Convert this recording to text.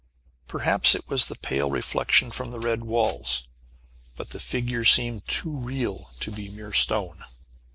Perhaps it was the pale reflection from the red walls, but the figure seemed too real to be mere stone!